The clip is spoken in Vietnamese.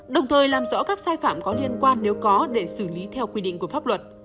đồng thời làm rõ các sai phạm có liên quan nếu có để xử lý theo quy định của pháp luật